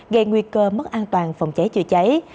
gây nguy cơ mất an toàn phòng cháy chữa cháy